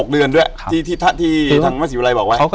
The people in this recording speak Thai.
อยู่ที่แม่ศรีวิรัยยิลครับ